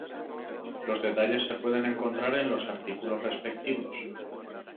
Los detalles se pueden encontrar en los artículos respectivos.